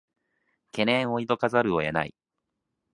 懸念を抱かざるを得ない